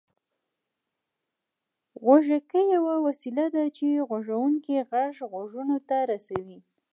غوږيکې يوه وسيله ده چې د غږوونکي غږ غوږونو ته رسوي